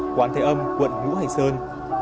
quán thế âm quận ngũ hành sơn